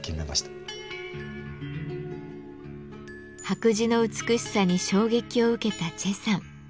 白磁の美しさに衝撃を受けた崔さん。